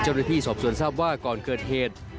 เจ้าหรือพี่สอบสวนทราบว่าก่อนเกิดเหตุ